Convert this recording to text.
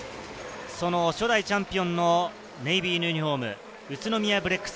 その初代チャンピオンのネイビーのユニホーム、宇都宮ブレックス。